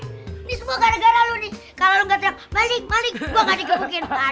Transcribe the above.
ini semua gara gara lu nih kalau enggak terlalu paling paling gua nggak jadinya